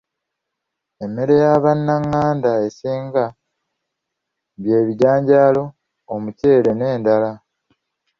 Emmere ya bannaganda esinga by'ebijanjaalo, omuceere n'endala.